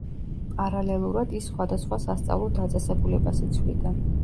პარალელურად ის სხვადასხვა სასწავლო დაწესებულებას იცვლიდა.